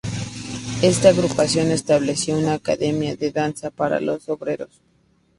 Esta agrupación estableció una academia de danza para los obreros.